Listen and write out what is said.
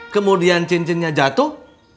kemudian cincinnya jatuh